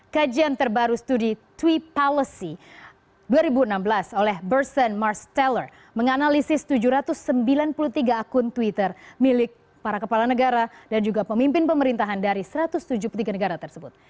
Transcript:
kajian terbaru studi tweet policy dua ribu enam belas oleh berson marsteller menganalisis tujuh ratus sembilan puluh tiga akun twitter milik para kepala negara dan juga pemimpin pemerintahan dari satu ratus tujuh puluh tiga negara tersebut